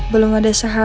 belum ada siapa